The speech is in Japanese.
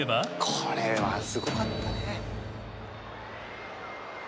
これはすごかったね。